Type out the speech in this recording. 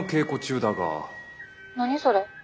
何それ？